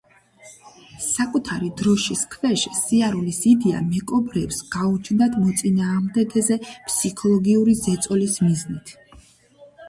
საკუთარი დროშის ქვეშ სიარულის იდეა მეკობრეებს გაუჩნდათ მოწინააღმდეგეზე ფსიქოლოგიური ზეწოლის მიზნით.